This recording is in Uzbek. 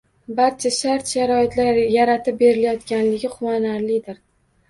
Barcha shart-sharoitlar yaratib berilayotganligi quvonarlidir